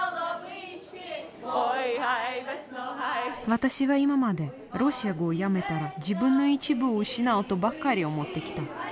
私は今までロシア語をやめたら自分の一部を失うとばかり思ってきた。